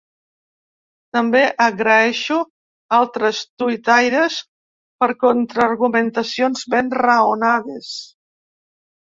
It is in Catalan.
També agraeixo altres tuitaires per contra-argumentacions ben raonades.